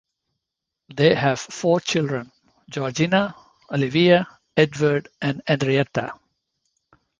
They have four children, Georgina, Olivia, Edward, and Henrietta.